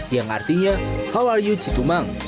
yang artinya how are you chitumang